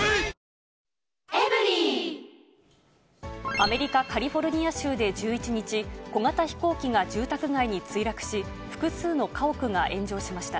アメリカ・カリフォルニア州で１１日、小型飛行機が住宅街に墜落し、複数の家屋が炎上しました。